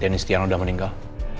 denise tian udah meninggal